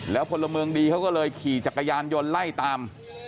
พลเมืองดีเขาก็เลยขี่จักรยานยนต์ไล่ตาม